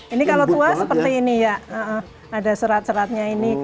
ini kalau tua seperti ini ya ada serat seratnya ini